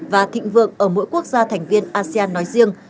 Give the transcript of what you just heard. và thịnh vượng ở mỗi quốc gia thành viên asean nói riêng